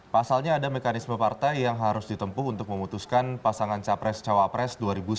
pasalnya ada mekanisme partai yang harus ditempuh untuk memutuskan pasangan capres cawapres dua ribu sembilan belas